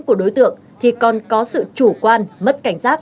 của đối tượng thì còn có sự chủ quan mất cảnh giác